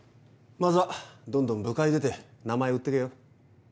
まずはどんどん部会出て名前売ってけよ。